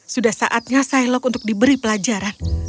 sudah saatnya silok untuk diberi pelajaran